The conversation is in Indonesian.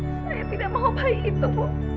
saya tidak mau baik itu bu